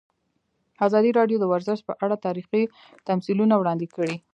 ازادي راډیو د ورزش په اړه تاریخي تمثیلونه وړاندې کړي.